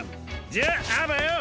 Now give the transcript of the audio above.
じゃああばよ。